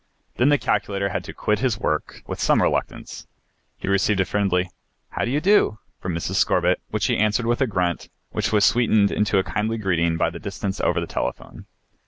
Then the calculator had to quit his work with some reluctance. He received a friendly "How do you do?" from Mrs. Scorbitt, which he answered with a grunt, which was sweetened into a kindly greeting by the distance over the telephone.